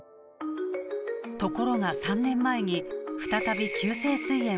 ところが３年前に再び急性すい炎を発症。